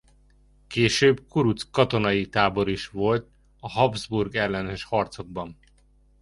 Később kuruc katonai tábor is volt a Habsburg ellenes harcokban.